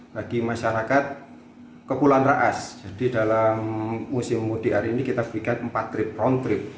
bagi masyarakat kepulauan raas jadi dalam musim mudik hari ini kita berikan empat trip round trip